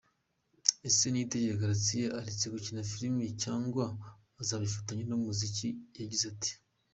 Ese Niyitegeka Gratien aretse gukina filime cyangwa azabifatanya n'umuziki? Yagize ati: .